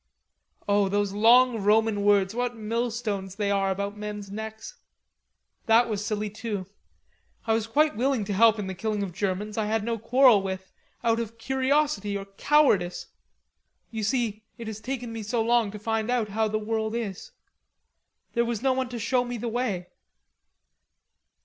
Oh, those long Roman words, what millstones they are about men's necks! That was silly, too; I was quite willing to help in the killing of Germans, I had no quarrel with, out of curiosity or cowardice.... You see, it has taken me so long to find out how the world is. There was no one to show me the way."